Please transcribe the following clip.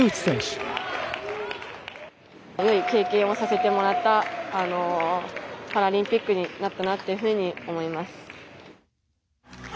よい経験をさせてもらったパラリンピックになったなというふうに思います。